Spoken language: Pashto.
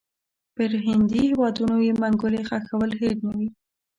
پر هندي هیوادونو یې منګولې ښخول هېر نه وي.